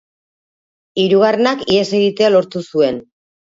Hirugarrenak ihes egitea lortu zuen.